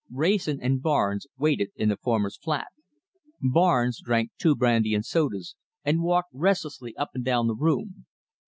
Wrayson and Barnes waited in the former's flat. Barnes drank two brandy and sodas, and walked restlessly up and down the room.